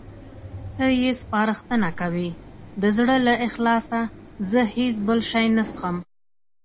ته یې سپارښتنه کوې؟ د زړه له اخلاصه، زه هېڅ بل شی نه څښم.